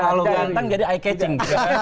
terlalu ganteng jadi eye catching